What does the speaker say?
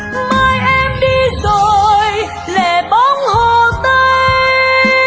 mai em đi rồi lẻ bóng hồ tây